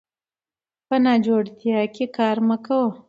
په ناجوړتيا کې کار مه کوه